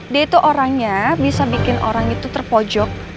dia itu orangnya bisa bikin orang itu terpojok